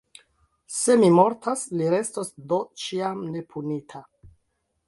Se mi mortas, li restos do ĉiam nepunita.